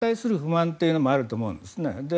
それに対する不満というのもあると思うんですね。